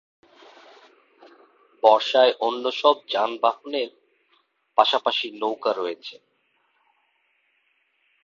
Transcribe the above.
বর্ষায় অন্যসব যানবাহনের পাশাপাশি নৌকা রয়েছে।